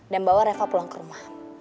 dan bawa reva pulang ke rumah